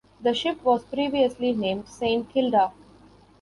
The ship was previously named "Saint Kilda".